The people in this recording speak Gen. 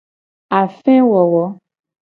Afewowo.